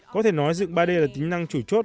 có thể nói dựng ba d là tính năng chủ chốt